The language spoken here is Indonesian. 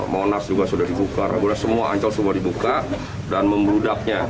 monas juga sudah dibuka semua ancol semua dibuka dan membludaknya